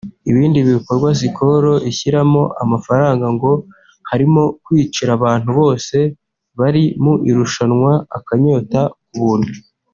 Ibindi bikorwa Skol ishyiramo amafaranga ngo harimo kwicira abantu bose bari mu irushanwa akanyota ku buntu